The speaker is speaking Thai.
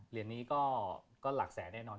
เหรียญนี้ก็หลักแสนแน่นอน